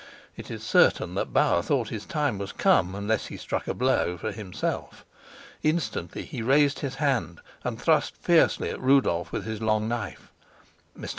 It is certain that Bauer thought his time was come, unless he struck a blow for himself. Instantly he raised his hand and thrust fiercely at Rudolf with his long knife. Mr.